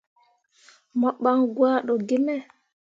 Mo ɓan gwado gi me.